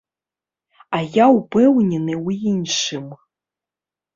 А я ўпэўнены ў іншым.